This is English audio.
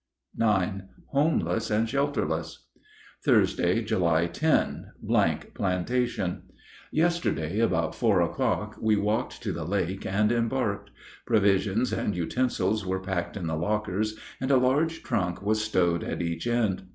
IX HOMELESS AND SHELTERLESS Thursday, July 10. ( Plantation.) Yesterday about four o'clock we walked to the lake and embarked. Provisions and utensils were packed in the lockers, and a large trunk was stowed at each end.